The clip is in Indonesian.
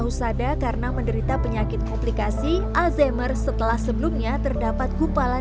husada karena menderita penyakit komplikasi alzheimer setelah sebelumnya terdapat gumpalan